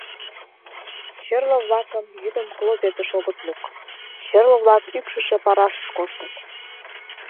Черле-влакым йӱдым клозетыш огыт лук, черле-влак ӱпшышӧ парашыш коштыт.